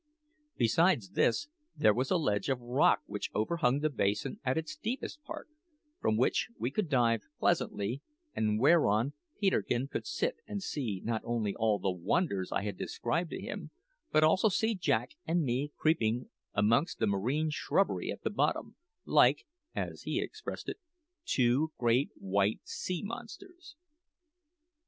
Besides this, there was a ledge of rock which overhung the basin at its deepest part, from which we could dive pleasantly, and whereon Peterkin could sit and see not only all the wonders I had described to him, but also see Jack and me creeping amongst the marine shrubbery at the bottom, like as he expressed it "two great white sea monsters."